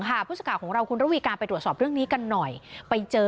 ผู้สื่อข่าวของเราคุณระวีการไปตรวจสอบเรื่องนี้กันหน่อยไปเจอ